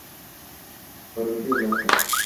Barbilla blanca.